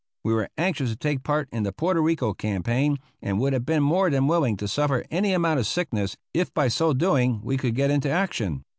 We were anxious to take part in the Porto Rico campaign, and would have been more than willing to suffer any amount of sickness, if by so doing we could get into action.